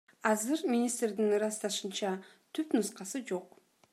Азыр министрдин ырасташынча, түп нускасы жок.